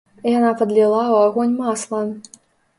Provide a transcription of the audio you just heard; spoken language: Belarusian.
Яна падліла ў агонь масла.